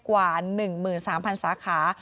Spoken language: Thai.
กว่า๑๓๐๐สาขา